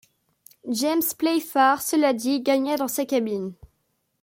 James Playfair, cela dit, gagna sa cabine.